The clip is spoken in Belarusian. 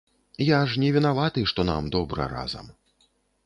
Я ж не вінаваты, што нам добра разам.